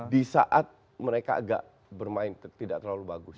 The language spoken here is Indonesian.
di saat mereka agak bermain tidak terlalu bagus